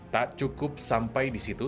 tak cukup sampai di situ